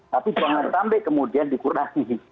tapi jangan sampai kemudian dikurasi